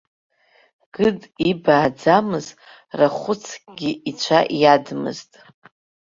Гыд ибааӡамыз рахәыцкгьы ицәа иадмызт.